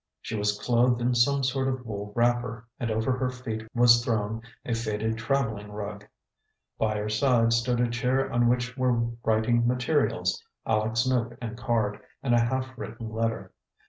She was clothed in some sort of wool wrapper, and over her feet was thrown a faded traveling rug. By her side stood a chair on which were writing materials, Aleck's note and card, and a half written letter.